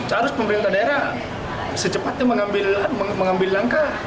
harus pemerintah daerah secepatnya mengambil langkah